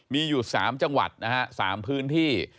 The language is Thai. มีอยู่๓จังหวัดนะฮะ๓พื้นที่